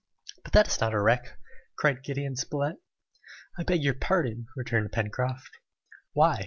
"But that is not a wreck!" cried Gideon Spilett. "I beg your pardon!" returned Pencroft. "Why?